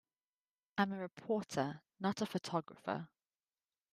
I'm a reporter not a photographer.